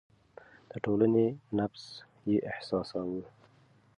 د ټولنې نبض يې احساساوه.